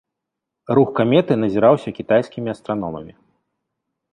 Рух каметы назіраўся кітайскімі астраномамі.